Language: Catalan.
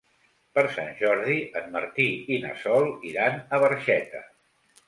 Per Sant Jordi en Martí i na Sol iran a Barxeta.